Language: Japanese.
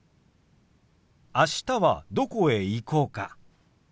あしたはどこへ行こうか？